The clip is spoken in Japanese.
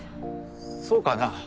そうかな？